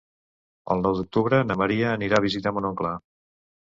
El nou d'octubre na Maria anirà a visitar mon oncle.